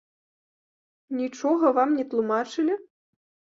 Нічога вам не тлумачылі?